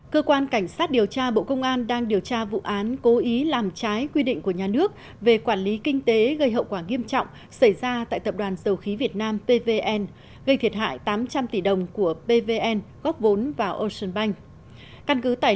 cơ quan cảnh sát điều tra bộ công an đang điều tra vụ án cố ý làm trái quy định của nhà nước về quản lý kinh tế gây hậu quả nghiêm trọng xảy ra tại tập đoàn sầu khí việt nam pvn gây thiệt hại tám trăm linh tỷ đồng của pvn góp vốn vào ocean bank